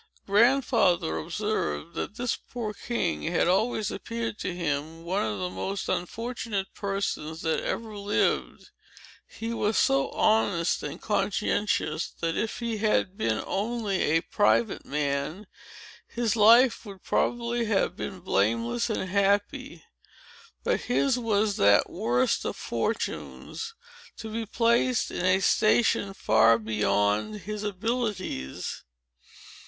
Grandfather observed, that this poor king had always appeared to him one of the most unfortunate persons that ever lived. He was so honest and conscientious, that, if he had been only a private man, his life would probably have been blameless and happy. But his was that worst of fortunes, to be placed in a station far beyond his abilities.